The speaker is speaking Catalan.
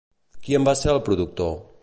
Qui en va ser el productor?